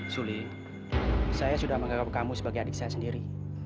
suli saya sudah menganggap kamu sebagai adik saya sendiri